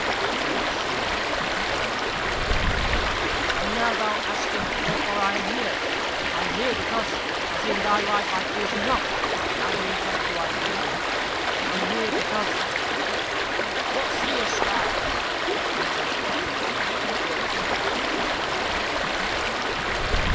returned she, in a hollow tone. "And now thou asketh wherefore I am here I am here because, as in thy life I feared thee not, neither in death do I fear thee. I am here because " "What seest thou?" interrupted Peter, with ill suppressed terror.